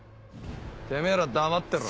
てめぇらは黙ってろ。